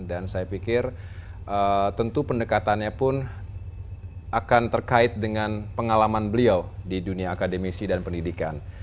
dan saya pikir tentu pendekatannya pun akan terkait dengan pengalaman beliau di dunia akademisi dan pendidikan